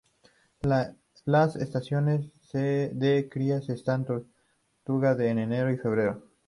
Las estaciones de cría de esta tortuga es en enero y febrero.